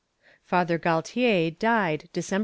Father Galtier died Feb.